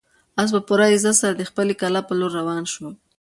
آس په پوره عزت سره د خپلې کلا په لور روان شو.